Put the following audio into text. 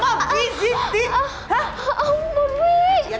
gantung gitu ya